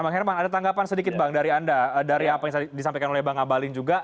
bang herman ada tanggapan sedikit bang dari anda dari apa yang disampaikan oleh bang abalin juga